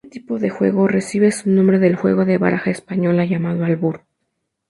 Este tipo de juego recibe su nombre del juego de baraja española llamado Albur.